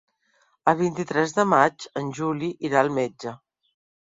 El vint-i-tres de maig en Juli irà al metge.